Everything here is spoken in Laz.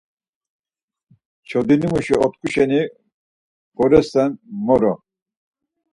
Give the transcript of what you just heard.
Çodinimuşi otku şeni gorasen moro.